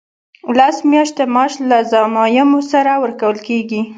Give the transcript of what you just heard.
لس میاشتې معاش له ضمایمو سره ورکول کیږي.